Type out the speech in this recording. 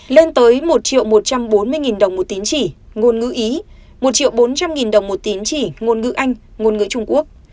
lên tới một một trăm bốn mươi đồng một tín chỉ ngôn ngữ ý một bốn trăm linh đồng một tín chỉ ngôn ngữ anh ngôn ngữ trung quốc